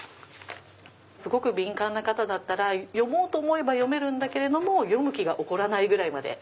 すごく敏感な方だったら読もうと思えば読めるけども読む気が起こらないぐらいまで。